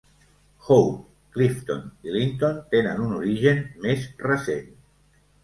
Hope, Clifton i Linton tenen un origen més recent.